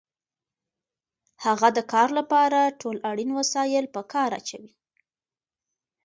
هغه د کار لپاره ټول اړین وسایل په کار اچوي